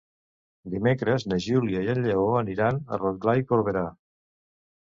Dimecres na Júlia i en Lleó aniran a Rotglà i Corberà.